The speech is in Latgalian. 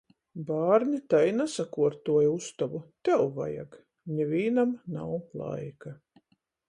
Bārni tai i nasakuortuoja ustobu. Tev vajag. Nivīnam nav laika.